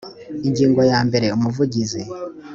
ingingo ya mbere: umuvugizi